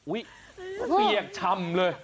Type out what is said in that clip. อุ๊ยเปรียกชำเลย